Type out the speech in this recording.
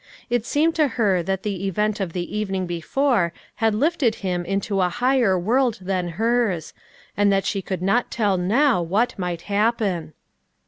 It seemed to her that the event of the evening before had lifted him into a higher world than hers, and that she could not tell now, what might happen.